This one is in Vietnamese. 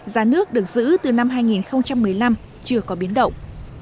giá nước được giữ từ năm hai nghìn một mươi năm chưa có biến động